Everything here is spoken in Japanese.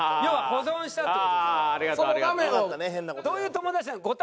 どういう友達なの？